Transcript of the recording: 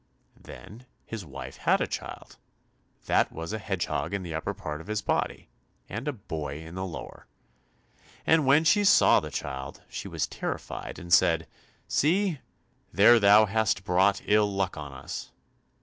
Then his wife had a child, that was a hedgehog in the upper part of his body, and a boy in the lower, and when she saw the child, she was terrified, and said, "See, there thou hast brought ill luck on us."